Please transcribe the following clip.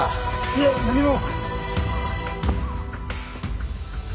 いえ何も。